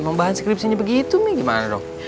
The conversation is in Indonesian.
emang bahan skripsinya begitu mi gimana dong